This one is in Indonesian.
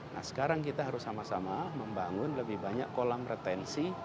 nah sekarang kita harus sama sama membangun lebih banyak kolam retensi